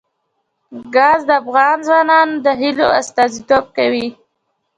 ګاز د افغان ځوانانو د هیلو استازیتوب کوي.